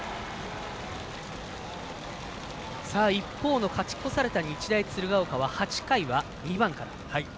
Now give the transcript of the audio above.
一方の勝ち越された日大鶴ヶ丘は８回は２番から。